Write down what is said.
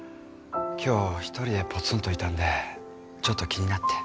今日一人でぽつんといたんでちょっと気になって。